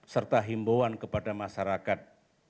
serta himbuan kepada masyarakat